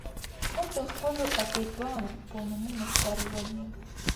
موږ د خپلو ادیبانو په نومونو سر لوړي یو.